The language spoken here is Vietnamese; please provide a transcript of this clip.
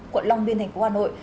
quận long biên thành của hà nội